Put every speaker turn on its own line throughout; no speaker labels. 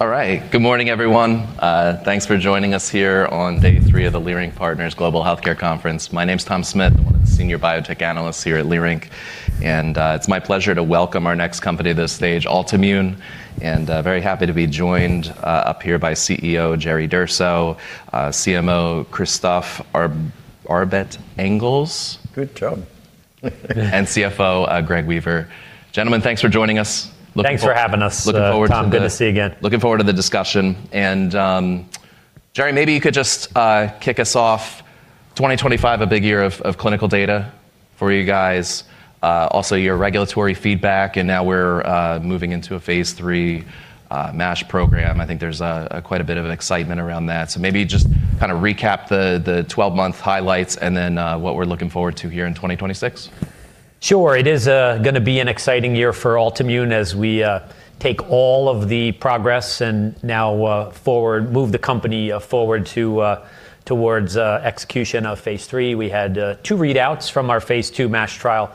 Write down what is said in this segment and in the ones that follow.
All right. Good morning, everyone. Thanks for joining us here on day three of the Leerink Partners Global Healthcare Conference. My name's Tom Smith, one of the senior biotech analysts here at Leerink, and it's my pleasure to welcome our next company to the stage, Altimmune. Very happy to be joined up here by CEO Jerry Durso, CMO Christophe Arbet-Engels.
Good job.
CFO Greg Weaver. Gentlemen, thanks for joining us.
Thanks for having us, Tom...
looking forward to the-
Good to see you again.
Looking forward to the discussion. Jerry, maybe you could just kick us off. 2025 a big year of clinical data for you guys. Also your regulatory feedback, and now we're moving into a phase 3 MASH program. I think there's quite a bit of an excitement around that. Maybe just kind of recap the 12-month highlights and then what we're looking forward to here in 2026.
Sure. It is gonna be an exciting year for Altimmune as we take all of the progress and now move the company forward towards execution of phase three. We had two readouts from our phase II MASH trial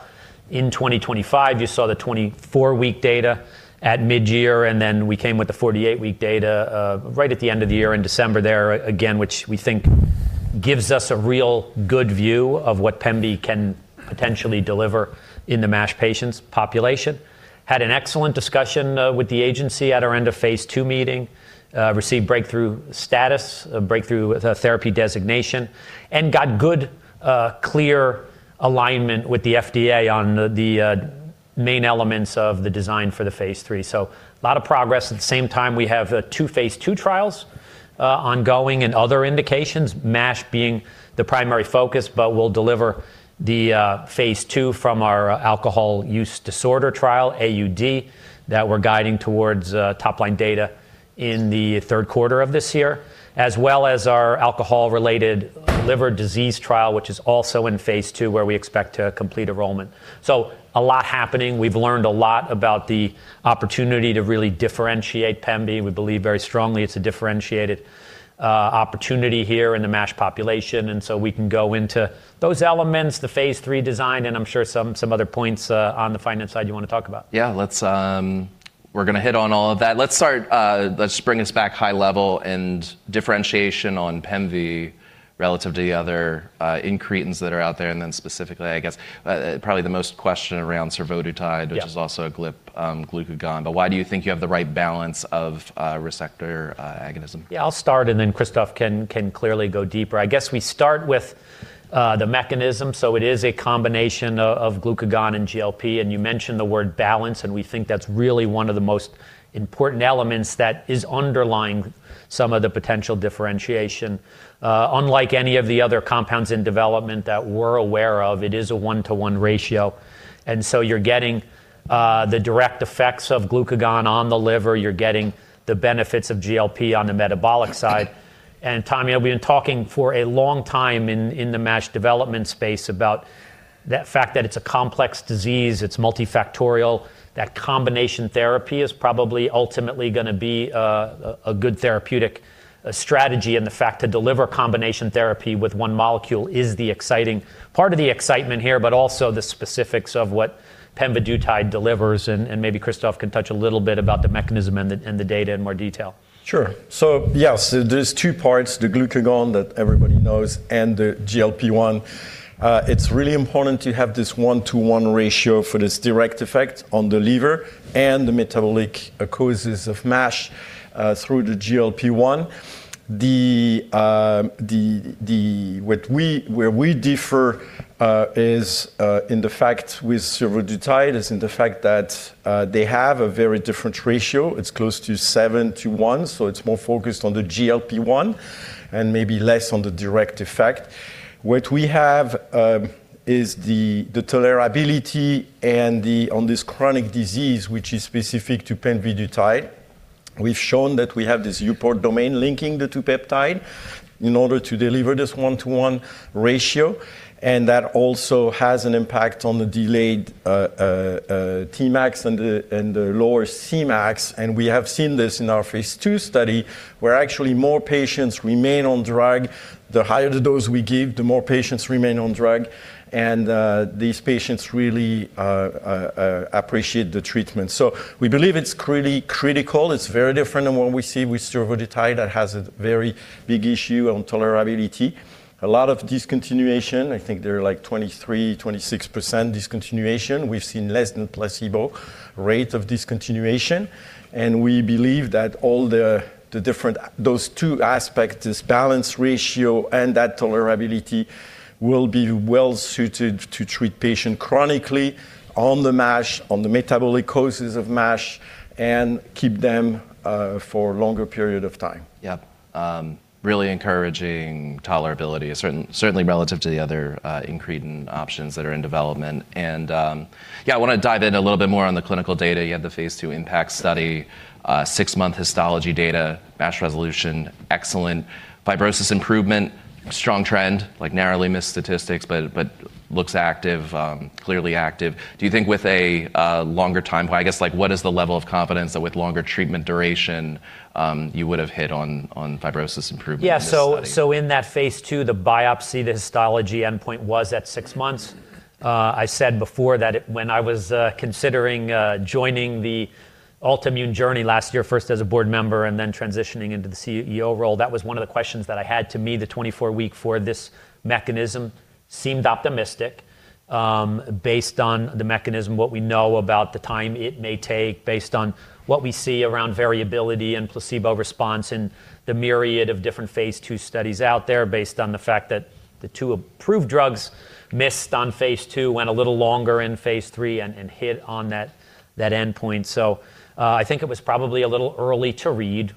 in 2025. You saw the 24-week data at midyear, and then we came with the 48-week data right at the end of the year in December there, again, which we think gives us a real good view of what pemvidutide can potentially deliver in the MASH patients population. Had an excellent discussion with the agency at our end-of-phase II meeting. Received breakthrough status, a breakthrough therapy designation, and got good clear alignment with the FDA on the main elements of the design for the phase III. A lot of progress. At the same time, we have two phase II trials ongoing and other indications, MASH being the primary focus, but we'll deliver the phase II from our alcohol use disorder trial, AUD, that we're guiding towards top-line data in the third quarter of this year, as well as our alcohol-related liver disease trial, which is also in phase II, where we expect to complete enrollment. A lot happening. We've learned a lot about the opportunity to really differentiate pemvidutide. We believe very strongly it's a differentiated opportunity here in the MASH population, and so we can go into those elements, the phase III design, and I'm sure some other points on the finance side you wanna talk about.
Yeah. We're gonna hit on all of that. Let's bring us back high level and differentiation on Pemvi relative to the other incretins that are out there, and then specifically, I guess, probably the most question around survodutide.
Yeah
which is also a GLP-1 glucagon. Why do you think you have the right balance of receptor agonism?
Yeah, I'll start, and then Christophe can clearly go deeper. I guess we start with the mechanism. It is a combination of glucagon and GLP, and you mentioned the word balance, and we think that's really one of the most important elements that is underlying some of the potential differentiation. Unlike any of the other compounds in development that we're aware of, it is a one-to-one ratio, and so you're getting the direct effects of glucagon on the liver, you're getting the benefits of GLP on the metabolic side. Tom, you know, we've been talking for a long time in the MASH development space about that fact that it's a complex disease, it's multifactorial, that combination therapy is probably ultimately gonna be a good therapeutic strategy. The fact to deliver combination therapy with one molecule is the exciting part of the excitement here, but also the specifics of what pemvidutide delivers, and maybe Christophe can touch a little bit about the mechanism and the data in more detail.
Sure. Yes, there's two parts, the glucagon that everybody knows and the GLP-1. It's really important to have this 1-to-1 ratio for this direct effect on the liver and the metabolic causes of MASH through the GLP-1. Where we differ is in the fact that with survodutide they have a very different ratio. It's close to seven to one so it's more focused on the GLP-1 and maybe less on the direct effect. What we have is the tolerability and on this chronic disease, which is specific to pemvidutide. We've shown that we have this EuPort domain linking the two peptide in order to deliver this one-to-one ratio, and that also has an impact on the delayed Tmax and the lower Cmax. We have seen this in our phase II study, where actually more patients remain on drug. The higher the dose we give, the more patients remain on drug, and these patients really appreciate the treatment. We believe it's critical. It's very different than what we see with survodutide that has a very big issue on tolerability. A lot of discontinuation, I think they're like 23%-26% discontinuation. We've seen less than placebo rate of discontinuation, and we believe that all those two aspects, this balance ratio and that tolerability, will be well suited to treat patient chronically on the MASH, on the metabolic causes of MASH, and keep them for longer period of time.
Yeah. Really encouraging tolerability, certainly relative to the other incretin options that are in development. Yeah, I wanna dive in a little bit more on the clinical data. You had the phase II IMPACT study, six-month histology data, MASH resolution, excellent. Fibrosis improvement, strong trend, like narrowly missed statistics, but looks active, clearly active. Do you think with a longer time, I guess, like, what is the level of confidence that with longer treatment duration, you would have hit on fibrosis improvement in this study?
Yeah. In that phase II, the biopsy, the histology endpoint was at six months. I said before that when I was considering joining the Altimmune journey last year, first as a board member and then transitioning into the CEO role, that was one of the questions that I had. To me, the 24-week for this mechanism seemed optimistic, based on the mechanism, what we know about the time it may take, based on what we see around variability and placebo response in the myriad of different phase II studies out there, based on the fact that the two approved drugs missed on phase II, went a little longer in phase III, and hit on that endpoint. I think it was probably a little early to read.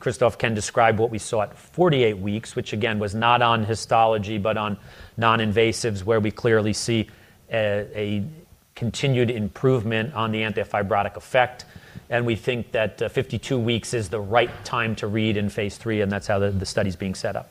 Christophe can describe what we saw at 48 weeks, which again, was not on histology, but on non-invasives, where we clearly see continued improvement on the antifibrotic effect, and we think that 52 weeks is the right time to read out in phase III and that's how the study's being set up.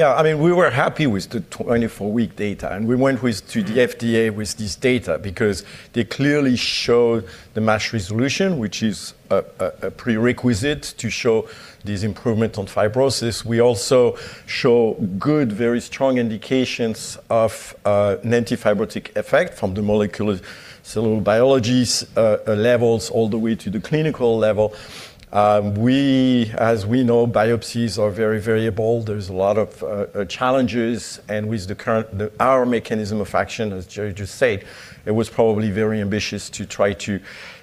Yeah, I mean, we were happy with the 24-week data, and we went to the FDA with this data because they clearly showed the MASH resolution, which is a prerequisite to show this improvement on fibrosis. We also show good, very strong indications of an antifibrotic effect from the molecular cellular biology levels all the way to the clinical level. As we know, biopsies are very variable. There's a lot of challenges, and with our mechanism of action, as Gerry just said, it was probably very ambitious to try to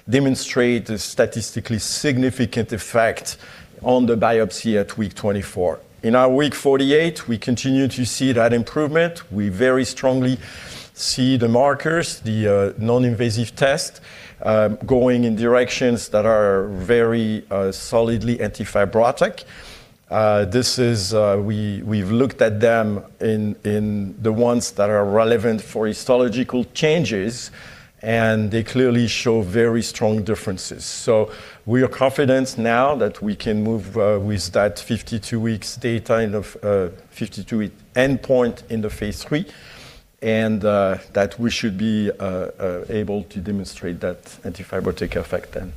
demonstrate the statistically significant effect on the biopsy at week 24. In our week 48, we continue to see that improvement. We very strongly see the markers, the non-invasive test, going in directions that are very solidly antifibrotic. We've looked at them in the ones that are relevant for histological changes, and they clearly show very strong differences. We are confident now that we can move with that 52 weeks data and of 52 week endpoint in the phase III, and that we should be able to demonstrate that antifibrotic effect then.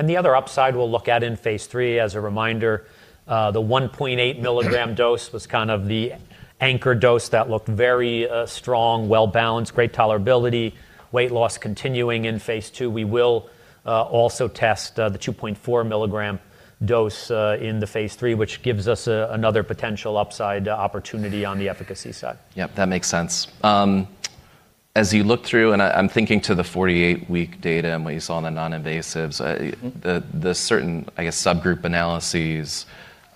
The other upside we'll look at in phase III, as a reminder, the 1.8 milligram dose was kind of the anchor dose that looked very strong, well-balanced, great tolerability, weight loss continuing in phase II. We will also test the 2.4 milligram dose in phase III, which gives us another potential upside opportunity on the efficacy side.
Yep, that makes sense. As you look through, and I'm thinking to the 48-week data and what you saw on the non-invasives.
Mm-hmm
In certain subgroup analyses,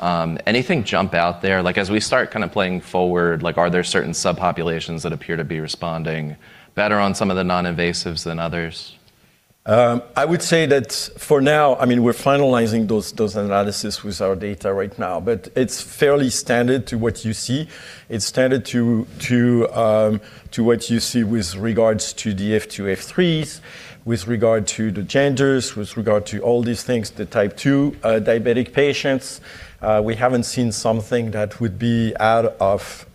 I guess, anything jump out there? Like, as we start kind of planning forward, like, are there certain subpopulations that appear to be responding better on some of the non-invasives than others?
I would say that for now, I mean, we're finalizing those analyses with our data right now, but it's fairly standard to what you see. It's standard to what you see with regards to the F2s, F3s, with regard to the genders, with regard to all these things, the type 2 diabetic patients. We haven't seen something that would be out of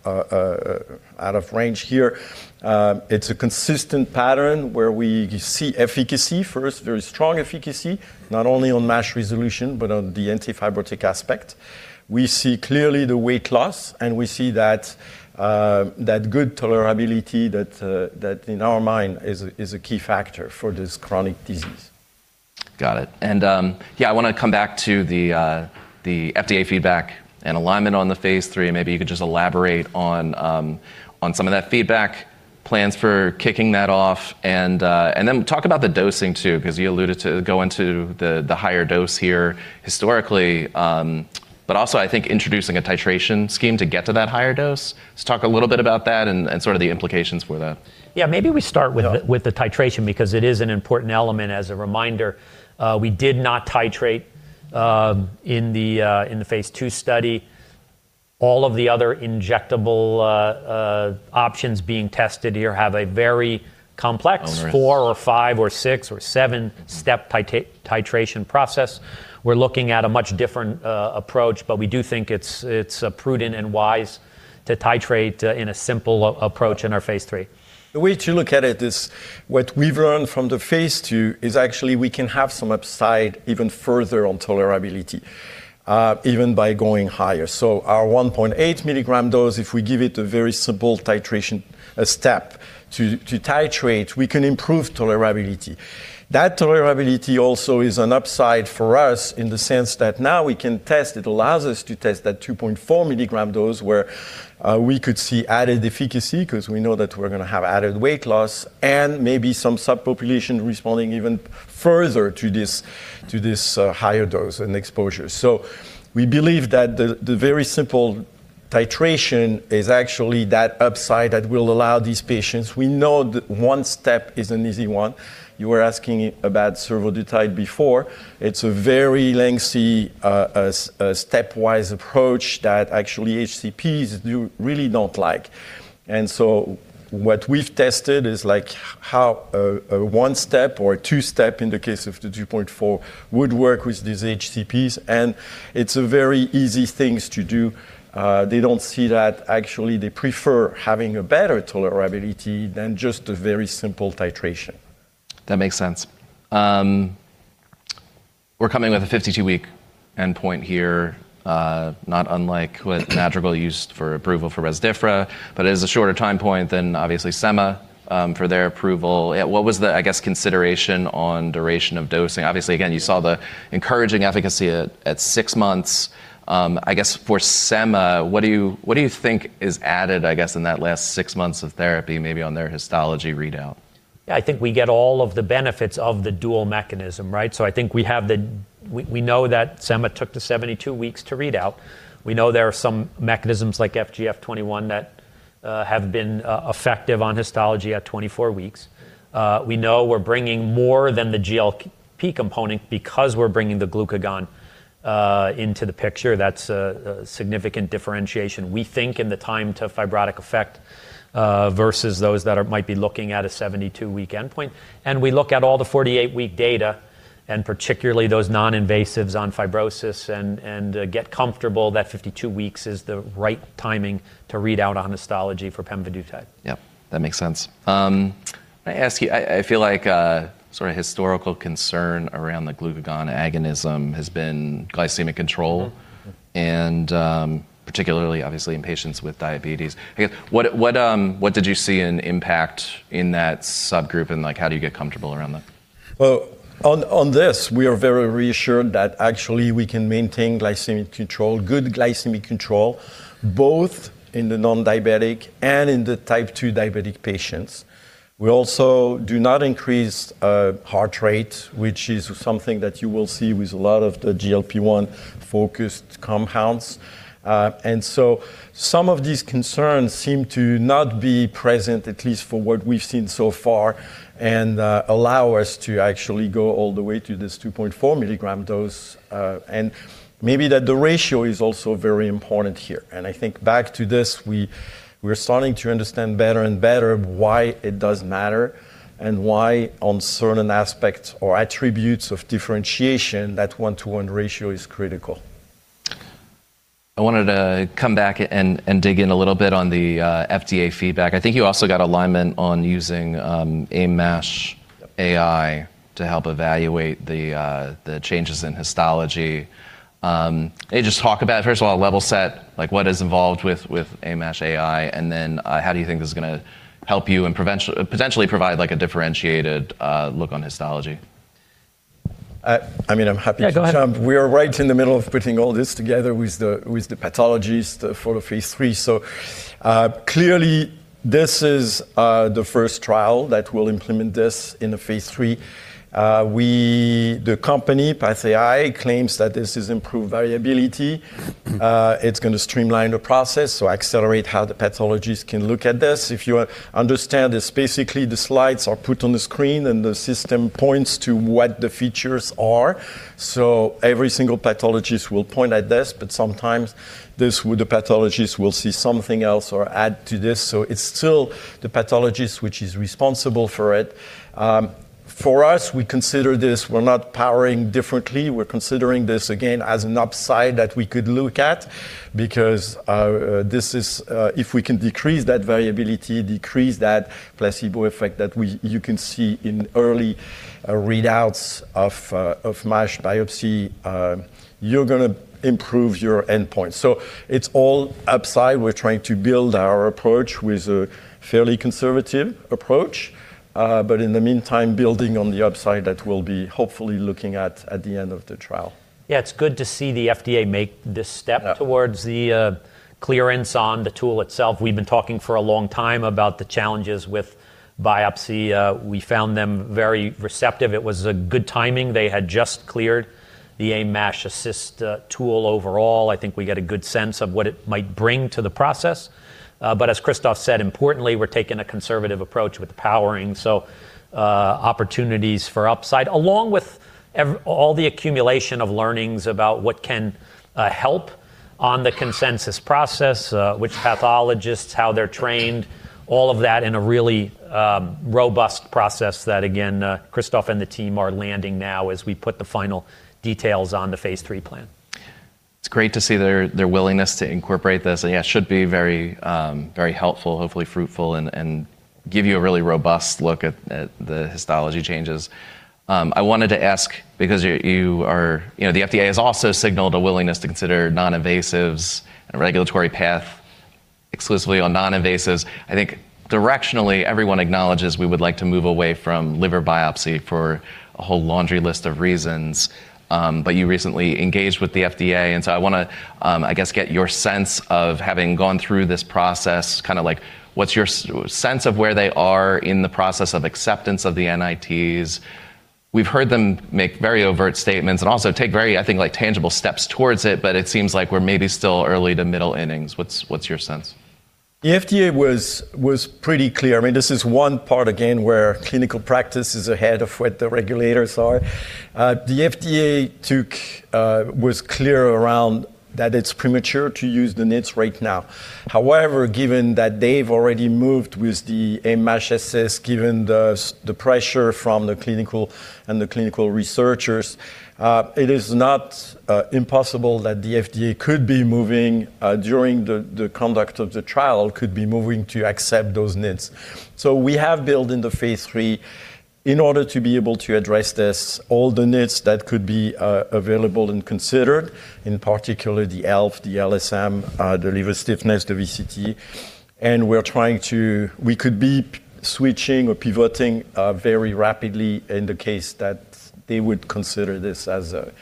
range here. It's a consistent pattern where we see efficacy first, very strong efficacy, not only on MASH resolution, but on the antifibrotic aspect. We see clearly the weight loss, and we see that good tolerability that in our mind is a key factor for this chronic disease.
Got it. Yeah, I wanna come back to the FDA feedback and alignment on the phase III, and maybe you could just elaborate on some of that feedback, plans for kicking that off, and then talk about the dosing too, 'cause you alluded to going to the higher dose here historically, but also I think introducing a titration scheme to get to that higher dose. Let's talk a little bit about that and sort of the implications for that.
Yeah. Maybe we start.
Yeah
With the titration because it is an important element. As a reminder, we did not titrate in the phase II study. All of the other injectable options being tested here have a very complex
Onerous
four or five or six or seven
Mm-hmm
Step titration process. We're looking at a much different approach, but we do think it's prudent and wise to titrate in a simple approach in our phase III.
The way to look at it is what we've learned from the phase II is actually we can have some upside even further on tolerability, even by going higher. Our 1.8 milligram dose, if we give it a very simple titration step to titrate, we can improve tolerability. That tolerability also is an upside for us in the sense that now we can test, it allows us to test that 2.4 milligram dose where we could see added efficacy 'cause we know that we're gonna have added weight loss and maybe some subpopulation responding even further to this higher dose and exposure. We believe that the very simple titration is actually that upside that will allow these patients. We know that one step is an easy one. You were asking about survodutide before. It's a very lengthy stepwise approach that actually HCPs do really don't like. What we've tested is like how a one-step or a two-step in the case of the 2.4 would work with these HCPs, and it's a very easy things to do. They don't see that. Actually, they prefer having a better tolerability than just a very simple titration.
That makes sense. We're coming with a 52-week endpoint here, not unlike what Madrigal used for approval for Rezdiffra, but it is a shorter time point than obviously semaglutide for their approval. What was the, I guess, consideration on duration of dosing? Obviously, again, you saw the encouraging efficacy at six months. I guess for semaglutide, what do you think is added, I guess, in that last six months of therapy, maybe on their histology readout?
I think we get all of the benefits of the dual mechanism, right? I think we have the. We know that semaglutide took 72 weeks to read out. We know there are some mechanisms like FGF-21 that have been effective on histology at 24 weeks. We know we're bringing more than the GL- GLP component because we're bringing the glucagon into the picture. That's a significant differentiation, we think, in the time to fibrotic effect versus those that might be looking at a 72-week endpoint. We look at all the 48-week data, and particularly those non-invasives on fibrosis and get comfortable that 52 weeks is the right timing to read out on histology for pemvidutide.
Yep, that makes sense. Can I ask you, I feel like sort of historical concern around the glucagon agonism has been glycemic control.
Mm-hmm.
particularly obviously in patients with diabetes. I guess, what did you see in IMPACT in that subgroup and, like, how do you get comfortable around that?
Well, on this, we are very reassured that actually we can maintain glycemic control, good glycemic control, both in the non-diabetic and in the type 2 diabetic patients. We also do not increase heart rate, which is something that you will see with a lot of the GLP-1-focused compounds. Some of these concerns seem to not be present, at least for what we've seen so far, and allow us to actually go all the way to this 2.4 milligram dose. Maybe that the ratio is also very important here. I think back to this, we're starting to understand better and better why it does matter and why on certain aspects or attributes of differentiation, that 1:1 ratio is critical.
I wanted to come back and dig in a little bit on the FDA feedback. I think you also got alignment on using AIM-MASH to help evaluate the changes in histology. Just talk about it. First of all, level set, like what is involved with AIM-MASH, and then how do you think this is gonna help you and potentially provide like a differentiated look on histology?
I mean, I'm happy to jump.
Yeah, go ahead.
We are right in the middle of putting all this together with the pathologist for the phase III. Clearly, this is the first trial that will implement this in the phase III. The company, PathAI, claims that this is improved variability. It's gonna streamline the process, so accelerate how the pathologist can look at this. If you understand this, basically the slides are put on the screen, and the system points to what the features are. Every single pathologist will point at this, but sometimes the pathologist will see something else or add to this. It's still the pathologist which is responsible for it. For us, we consider this, we're not powering differently. We're considering this again as an upside that we could look at because this is if we can decrease that variability, decrease that placebo effect you can see in early readouts of MASH biopsy, you're gonna improve your endpoint. So it's all upside. We're trying to build our approach with a fairly conservative approach, but in the meantime, building on the upside that we'll be hopefully looking at at the end of the trial. Yeah. It's good to see the FDA make this step.
Yeah.
Towards the clearance on the tool itself. We've been talking for a long time about the challenges with biopsy. We found them very receptive. It was good timing. They had just cleared the AIM-MASH Assist tool. Overall, I think we get a good sense of what it might bring to the process. But as Christophe said, importantly, we're taking a conservative approach with powering, so opportunities for upside, along with all the accumulation of learnings about what can help on the consensus process, which pathologists, how they're trained, all of that in a really robust process that again Christophe and the team are landing now as we put the final details on the phase III plan.
It's great to see their willingness to incorporate this. Yeah, it should be very helpful, hopefully fruitful and give you a really robust look at the histology changes. I wanted to ask because you are. You know, the FDA has also signaled a willingness to consider non-invasives and regulatory path exclusively on non-invasives. I think directionally, everyone acknowledges we would like to move away from liver biopsy for a whole laundry list of reasons. But you recently engaged with the FDA, and so I wanna, I guess, get your sense of having gone through this process, kinda like what's your sense of where they are in the process of acceptance of the NITs. We've heard them make very overt statements and also take very, I think, like tangible steps towards it, but it seems like we're maybe still early to middle innings. What's your sense?
The FDA was pretty clear. I mean, this is one part again, where clinical practice is ahead of what the regulators are. The FDA was clear around that it's premature to use the NITs right now. However, given that they've already moved with the AIM-MASH, given the pressure from the clinicians and the clinical researchers, it is not impossible that the FDA could be moving during the conduct of the trial to accept those NITs. We have built in the phase III in order to be able to address this, all the NITs that could be available and considered, in particular the ELF, the LSM, the liver stiffness, the VCTE, and we're trying to. We could be switching or pivoting very rapidly in the case that they would consider this as an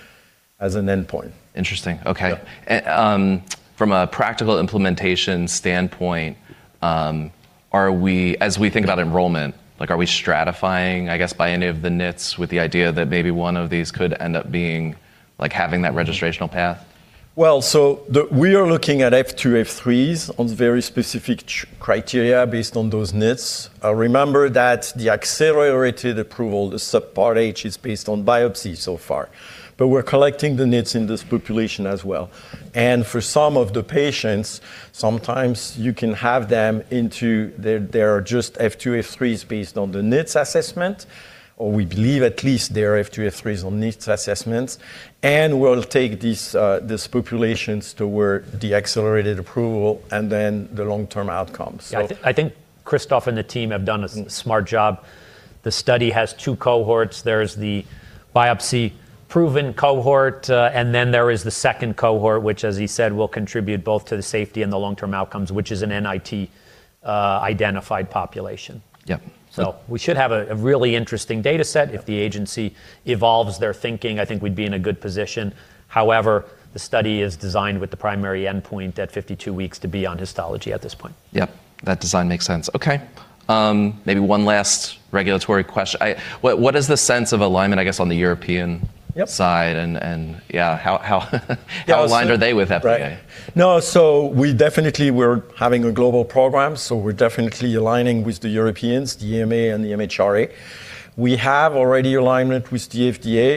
endpoint.
Interesting. Okay.
Yeah.
From a practical implementation standpoint, as we think about enrollment, like are we stratifying, I guess, by any of the NITs with the idea that maybe one of these could end up being like having that registrational path?
We are looking at F2, F3s on very specific criteria based on those NITs. Remember that the accelerated approval, the Subpart H, is based on biopsy so far, but we're collecting the NITs in this population as well. For some of the patients, sometimes you can have them, they're just F2, F3s based on the NITs assessment, or we believe at least they're F2, F3s on NITs assessments, and we'll take these populations toward the accelerated approval and then the long-term outcomes.
I think Christophe and the team have done a smart job. The study has two cohorts. There's the biopsy-proven cohort, and then there is the second cohort, which, as he said, will contribute both to the safety and the long-term outcomes, which is an NIT identified population.
Yep.
We should have a really interesting data set. If the agency evolves their thinking, I think we'd be in a good position. However, the study is designed with the primary endpoint at 52 weeks to be on histology at this point.
Yep, that design makes sense. Okay, maybe one last regulatory question. What is the sense of alignment, I guess, on the European-
Yep
side and yeah, how aligned are they with FDA?
Right. No, we definitely are having a global program, so we're definitely aligning with the Europeans, the EMA and the MHRA. We have alignment already with the FDA.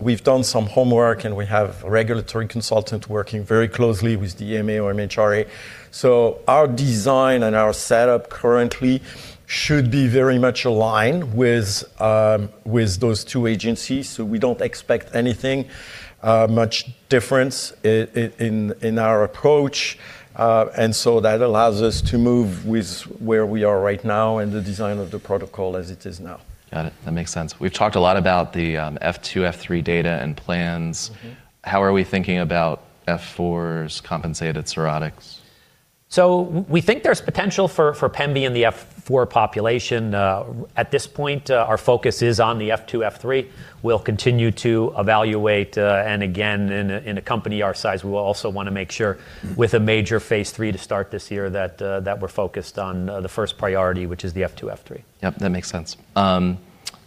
We've done some homework, and we have a regulatory consultant working very closely with the EMA or MHRA. Our design and our setup currently should be very much aligned with those two agencies, so we don't expect anything much difference in our approach. That allows us to move with where we are right now and the design of the protocol as it is now.
Got it. That makes sense. We've talked a lot about the F2, F3 data and plans.
Mm-hmm.
How are we thinking about F4s, compensated cirrhotics?
We think there's potential for Pemvi in the F4 population. At this point, our focus is on the F2, F3. We'll continue to evaluate, and again, in a company our size, we will also wanna make sure with a major phase 3 to start this year that we're focused on the first priority, which is the F2, F3.
Yep, that makes sense.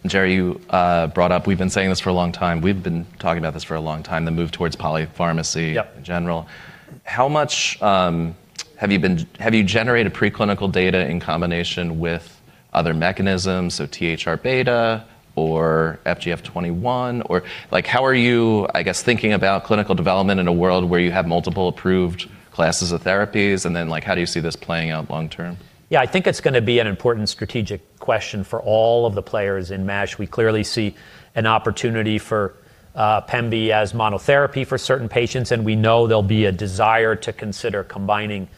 Gerry, you brought up we've been saying this for a long time. We've been talking about this for a long time, the move toward polypharmacy.
Yep
In general. How much have you generated preclinical data in combination with other mechanisms, so THR-beta or FGF-21 or like how are you, I guess, thinking about clinical development in a world where you have multiple approved classes of therapies, and then like how do you see this playing out long term?
Yeah, I think it's gonna be an important strategic question for all of the players in MASH. We clearly see an opportunity for Pemvi as monotherapy for certain patients, and we know there'll be a desire to consider combining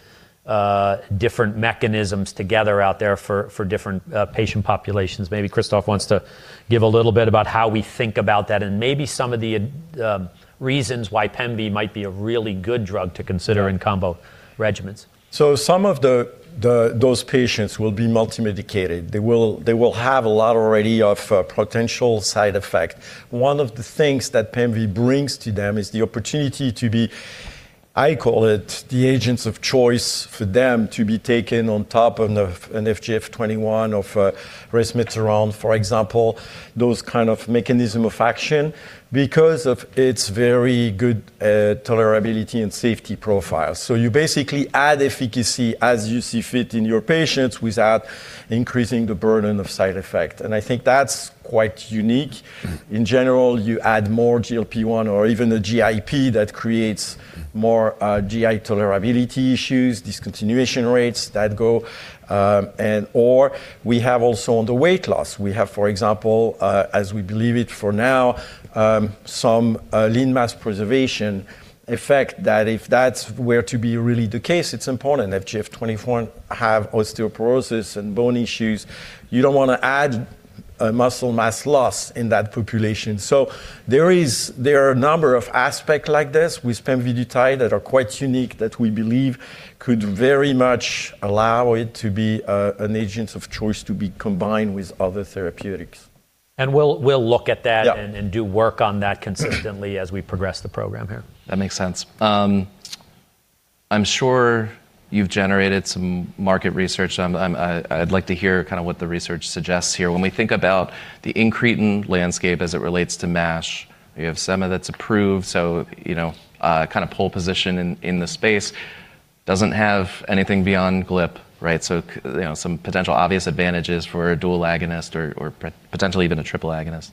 different mechanisms together out there for different patient populations. Maybe Christophe wants to give a little bit about how we think about that and maybe some of the reasons why Pemvi might be a really good drug to consider in combo regimens.
Some of those patients will be multi-medicated. They will have a lot already of potential side effects. One of the things that pemvidutide brings to them is the opportunity to be, I call it, the agents of choice for them to be taken on top of an FGF-21 or resmetirom, for example, those kind of mechanism of action because of its very good tolerability and safety profile. You basically add efficacy as you see fit in your patients without increasing the burden of side effects, and I think that's quite unique. In general, you add more GLP-1 or even a GIP that creates more GI tolerability issues, discontinuation rates that go and/or we have also on the weight loss. We have, for example, as we believe it for now, some lean mass preservation effect that if that's were to be really the case, it's important. FGF-21 have osteoporosis and bone issues. You don't wanna add muscle mass loss in that population. There are a number of aspect like this with pemvidutide that are quite unique that we believe could very much allow it to be an agent of choice to be combined with other therapeutics.
We'll look at that.
Yeah
do work on that consistently as we progress the program here.
That makes sense. I'm sure you've generated some market research. I'd like to hear kind of what the research suggests here. When we think about the incretin landscape as it relates to MASH, you have sema that's approved, so you know, kind of pole position in the space doesn't have anything beyond GLP-1, right? You know, some potential obvious advantages for a dual agonist or potentially even a triple agonist.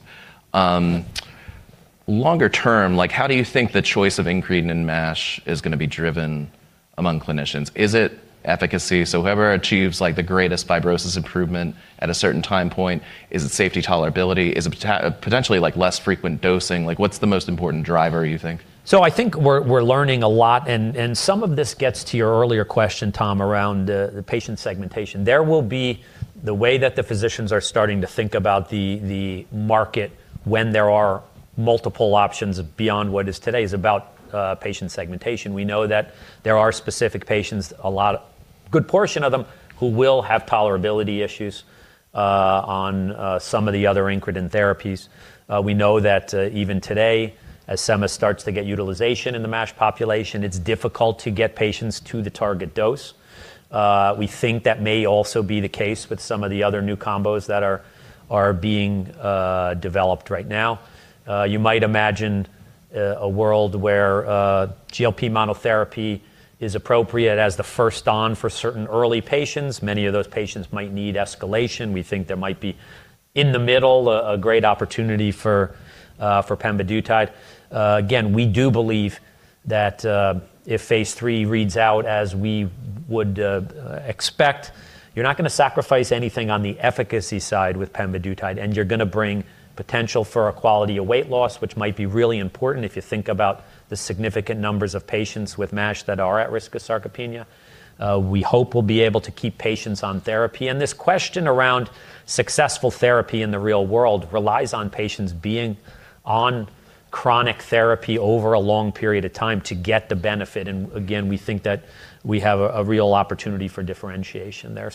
Longer term, like how do you think the choice of incretin in MASH is gonna be driven among clinicians? Is it efficacy? Whoever achieves like the greatest fibrosis improvement at a certain time point, is it safety, tolerability? Is it potentially like less frequent dosing? Like what's the most important driver, you think?
I think we're learning a lot and some of this gets to your earlier question, Tom, around the patient segmentation. There will be the way that the physicians are starting to think about the market when there are multiple options beyond what is today is about patient segmentation. We know that there are specific patients, a lot of good portion of them, who will have tolerability issues on some of the other incretin therapies. We know that even today, as sema starts to get utilization in the MASH population, it's difficult to get patients to the target dose. We think that may also be the case with some of the other new combos that are being developed right now. You might imagine a world where GLP monotherapy is appropriate as the first one for certain early patients. Many of those patients might need escalation. We think there might be in the middle a great opportunity for pemvidutide. Again, we do believe that if phase 3 reads out as we would expect, you're not gonna sacrifice anything on the efficacy side with pemvidutide, and you're gonna bring potential for a quality of weight loss, which might be really important if you think about the significant numbers of patients with MASH that are at risk of sarcopenia. We hope we'll be able to keep patients on therapy. This question around successful therapy in the real world relies on patients being on chronic therapy over a long period of time to get the benefit. Again, we think that we have a real opportunity for differentiation there.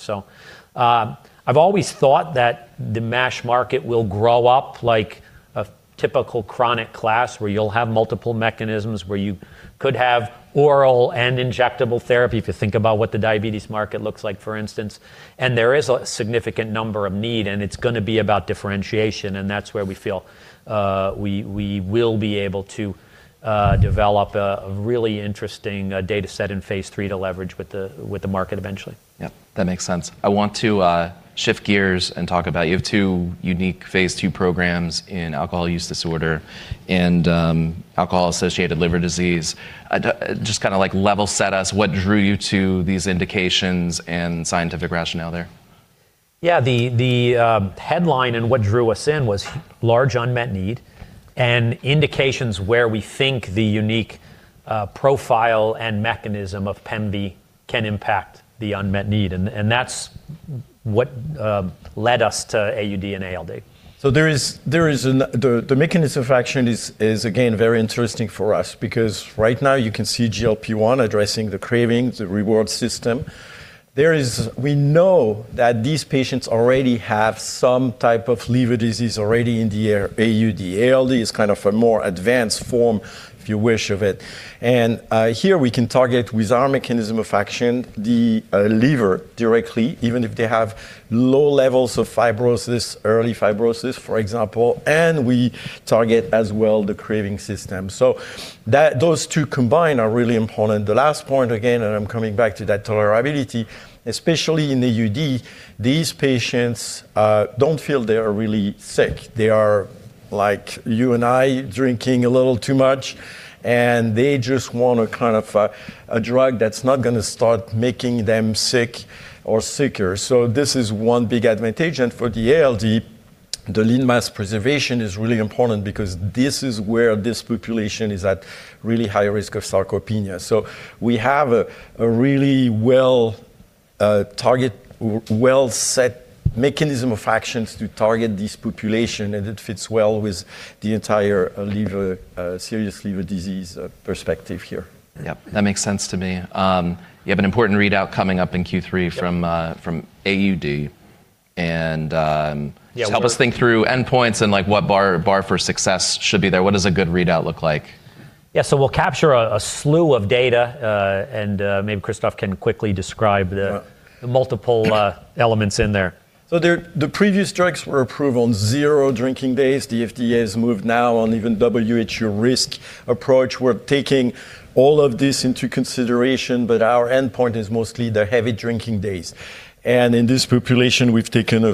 I've always thought that the MASH market will grow up like a typical chronic class, where you'll have multiple mechanisms where you could have oral and injectable therapy, if you think about what the diabetes market looks like, for instance. There is a significant unmet need, and it's gonna be about differentiation, and that's where we feel we will be able to develop a really interesting data set in phase 3 to leverage with the market eventually.
Yeah, that makes sense. I want to shift gears and talk about you have two unique phase two programs in alcohol use disorder and alcohol-associated liver disease. Just kinda like level set us. What drew you to these indications and scientific rationale there?
Yeah. The headline and what drew us in was large unmet need and indications where we think the unique profile and mechanism of pemvidutide can impact the unmet need. That's what led us to AUD and ALD.
The mechanism of action is again very interesting for us because right now you can see GLP-1 addressing the craving, the reward system. We know that these patients already have some type of liver disease already in the AUD. ALD is kind of a more advanced form, if you wish, of it. Here we can target with our mechanism of action the liver directly, even if they have low levels of fibrosis, early fibrosis, for example, and we target as well the craving system. Those two combined are really important. The last point, again, and I'm coming back to that tolerability, especially in AUD. These patients don't feel they are really sick. They are like you and I drinking a little too much, and they just want a kind of a drug that's not gonna start making them sick or sicker. This is one big advantage. For the ALD, the lean mass preservation is really important because this is where this population is at really high risk of sarcopenia. We have a really well set mechanism of actions to target this population, and it fits well with the entire liver serious liver disease perspective here.
Yep. That makes sense to me. You have an important readout coming up in Q3.
Yep.
from AUD, and
Yeah.
Help us think through endpoints and, like, what bar for success should be there? What does a good readout look like?
Yeah. We'll capture a slew of data, and maybe Christophe can quickly describe the
Yeah.
the multiple elements in there.
The previous drugs were approved on zero drinking days. The FDA has moved now on even WHO risk approach. We're taking all of this into consideration, but our endpoint is mostly the heavy drinking days. In this population, we've taken,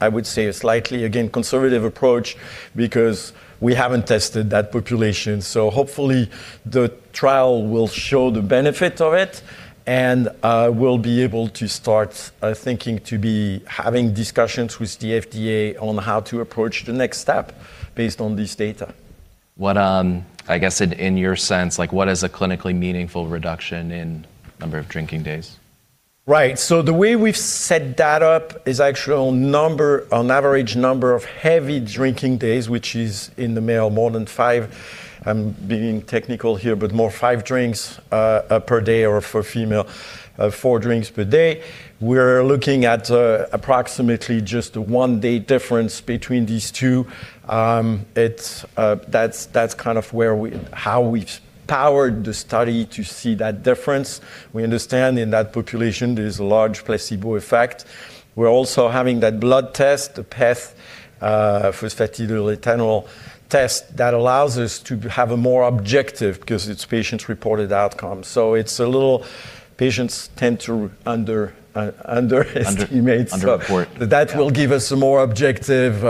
I would say, a slightly, again, conservative approach because we haven't tested that population. Hopefully, the trial will show the benefit of it, and we'll be able to start thinking to be having discussions with the FDA on how to approach the next step based on this data.
What, I guess in your sense, like, what is a clinically meaningful reduction in number of drinking days?
Right. The way we've set that up is actually on average number of heavy drinking days, which is in the male more than 5, I'm being technical here, but more than 5 drinks per day or for female 4 drinks per day. We're looking at approximately just a 1-day difference between these two. It's that's kind of how we've powered the study to see that difference. We understand in that population there is a large placebo effect. We're also having that blood test, the PEth, phosphatidylethanol test that allows us to have a more objective because it's patient-reported outcome. It's a little. Patients tend to underestimate.
Underreport. Yeah.
That will give us a more objective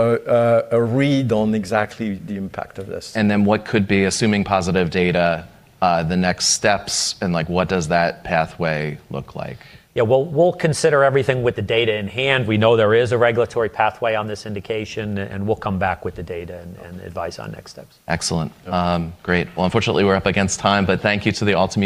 read on exactly the impact of this.
What could be, assuming positive data, the next steps and, like, what does that pathway look like?
Yeah. We'll consider everything with the data in hand. We know there is a regulatory pathway on this indication, and we'll come back with the data and advise on next steps.
Excellent. Great. Well, unfortunately, we're up against time, but thank you to the Altimmune.